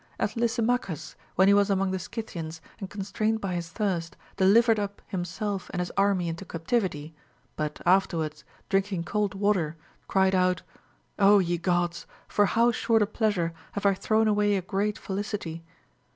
As Lysimachus, when he Avas amono; the Scvthians and constrained bv his thirst, delivered up himself and his army into captivity, but after wards, drinking cold water, cried out, Ο ye Gods ! for how short a pleasure have I thrown away a great felicity